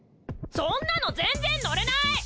そんなの全然ノレない！